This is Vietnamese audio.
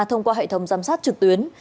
thông qua hệ thống giám sát trực tuyến